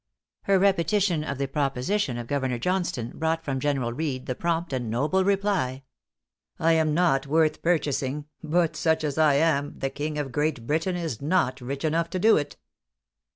Her repetition of the proposition of Governor Johnstone brought from General Reed the prompt and noble reply: "I AM NOT WORTH PURCHASING; BUT SUCH AS I AM, THE KING OF GREAT BRITAIN IS NOT RICH ENOUGH TO DO IT."